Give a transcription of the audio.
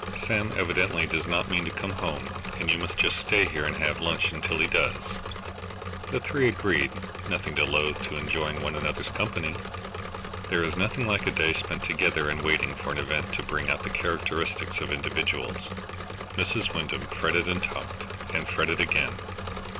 "Sam evidently does not mean to come home, and you must just stay here and have some lunch until he does." The three agreed, nothing loath to enjoying one another's company. There is nothing like a day spent together in waiting for an event, to bring out the characteristics of individuals. Mrs. Wyndham fretted and talked, and fretted again.